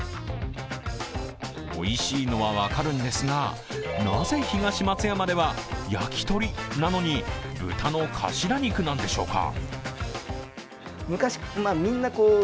おいしいのは分かるんですが、なぜ東松山ではやきとりなのに豚のカシラ肉なんでしょうか？